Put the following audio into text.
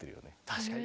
確かに。